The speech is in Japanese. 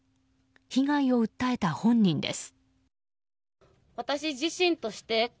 被害を訴えた本人です。